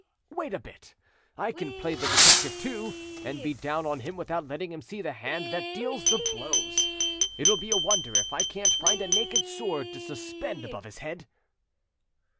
Wait a bit! I can play the detective too, and be down on him without letting him see the hand that deals the blows. It'll be a wonder if I can't find a naked sword to suspend above his head."